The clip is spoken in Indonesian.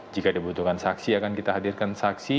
jika dibutuhkan saksi akan kita hadirkan saksi